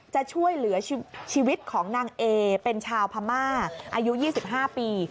จะช่วยเหลือชีวิตของนางเอเป็นชาวพม่าอายุ๒๕ปี